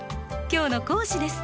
今日の講師です。